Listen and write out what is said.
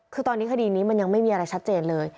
คือตอนนี้คดีนี้มันยังไม่มีอะไรชัดเจนเลย